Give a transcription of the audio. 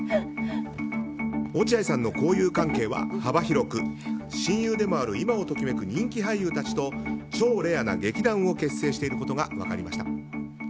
落合さんの交友関係は幅広く親友でもある今を時めく人気俳優たちと超レアな劇団を結成していることが分かりました。